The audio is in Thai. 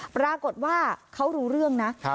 ปรากฏว่าเขารู้เรื่องนะ